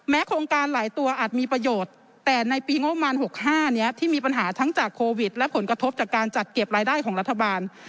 โครงการหลายตัวอาจมีประโยชน์แต่ในปีงบประมาณ๖๕นี้ที่มีปัญหาทั้งจากโควิดและผลกระทบจากการจัดเก็บรายได้ของรัฐบาล